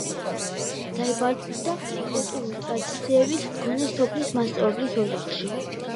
. დაიბადა კულტურული ტრადიციების მქონე სოფლის მასწავლებლის ოჯახში.